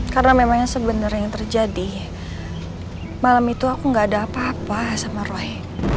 karena memangnya sebenarnya yang terjadi malam itu aku gak ada apa apa sama roy